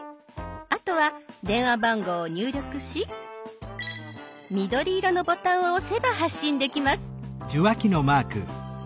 あとは電話番号を入力し緑色のボタンを押せば発信できます。